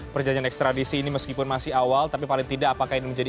perjanjian ekstradisi ini meskipun masih awal tapi paling tidak apakah ini menjadi